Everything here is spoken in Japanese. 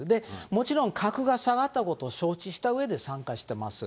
もちろん格が下がったことを承知したうえで参加してます。